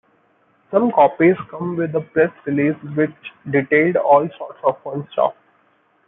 Some copies come with a press release which detailed all sorts of fun stuff.